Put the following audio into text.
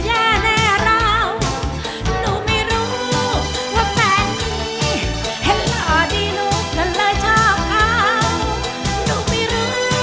ยังเหรอโซโล่อยู่